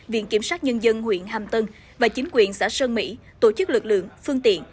viện kiểm sát nhân dân huyện hàm tân và chính quyền xã sơn mỹ tổ chức lực lượng phương tiện